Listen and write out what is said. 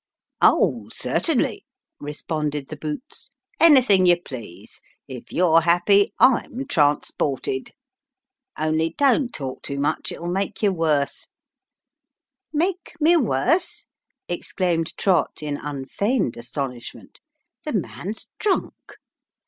" Oh, certainly !" responded the boots ;" anything you please. If A Madman in the House. 315 you're happy, I'm transported ; only don't talk too much it'll make you worse." " Make me worse ?" exclaimed Trott, in unfeigned astonishment :" the man's drunk